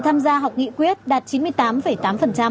tham gia học nghị quyết đạt chín mươi tám tám